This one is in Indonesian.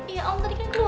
iya om tadi kan keluar